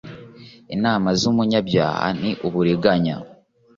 inama z’umunyabyaha ni uburiganya